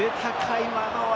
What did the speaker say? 今のは。